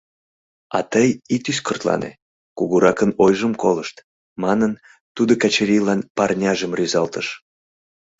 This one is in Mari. А тый ит ӱскыртлане, кугуракын ойжым колышт, — манын, тудо Качырийлан парняжым рӱзалтыш.